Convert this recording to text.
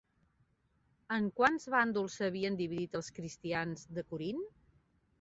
En quants bàndols s'havien dividit els cristians de Corint?